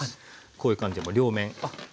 こういう感じで両面。